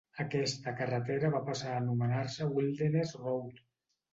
Aquesta carretera va passar a anomenar-se Wilderness Road.